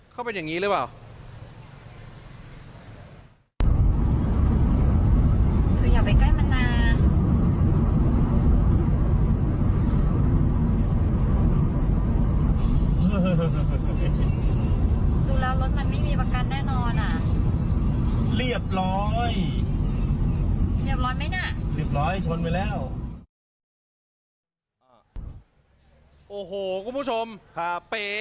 เขาเป็นอย่างนี้หรือเปล่า